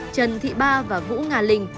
trần thị ba và vũ nga linh